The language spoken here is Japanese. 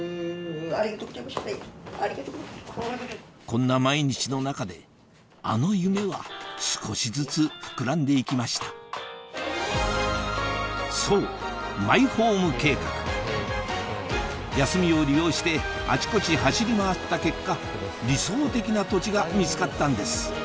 こんな毎日の中であの夢は少しずつ膨らんで行きましたそうマイホーム計画休みを利用してあちこち走り回った結果理想的な土地が見つかったんです